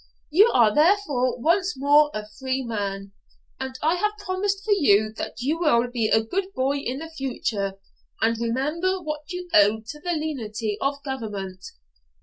You are therefore once more a free man, and I have promised for you that you will be a good boy in future, and remember what you owe to the lenity of government.